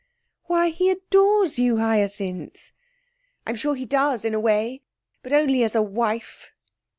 'Why, he adores you, Hyacinth!' 'I am sure he does, in a way, but only as a wife!